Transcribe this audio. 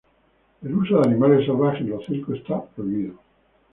El uso de animales salvajes en los circos está prohibido.